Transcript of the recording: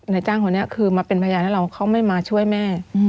ในจ้างของเนี่ยคือมาเป็นพยายามให้เราว่าเขาไม่มาช่วยแม่